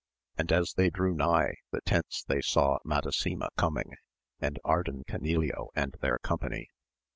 And as they drew nigh the tents they saw Madasima coming, and Ardan Canileo and their company.